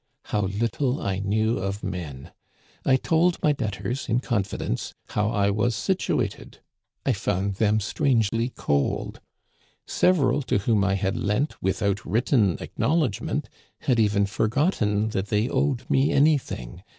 How little I knew of men ! I told my debtors, in confidence, how I was situated. I found them strangely cold. Several to whom I had lent without written acknowledgment had even forgotten that they owed me anything.